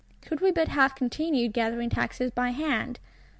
Could we but have continued gathering taxes _by hand!